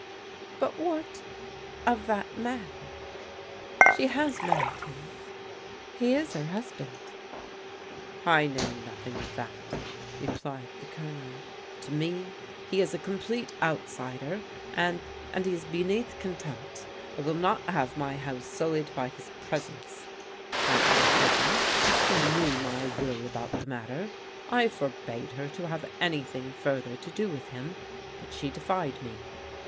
" But what — of that man? She has married him. He er husband." THE GIBLS ABE LOCATED 185 t€ I know nothing of that," replied the Colonel. " To tne he is a complete outsider, and — and he is beneath contempt. I will not have my house sullied by his pres ence. As for Peggy, she knew my will about the matter. I forbade her to have anything further to do with him, but she defied me.